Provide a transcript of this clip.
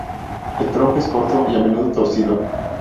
El tronco es corto y, a menudo torcido.